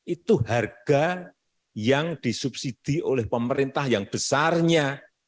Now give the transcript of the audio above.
itu harga yang disubsidi oleh pemerintah yang besarnya